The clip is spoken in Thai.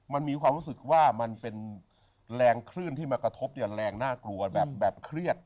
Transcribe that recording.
มันมีความรู้สึกว่ามันเป็นแรงคลื่นที่มากระทบอย่างแรงน่ากลัวแบบเครียด